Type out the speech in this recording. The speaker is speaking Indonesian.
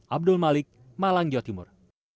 abdul malik malang jawa timur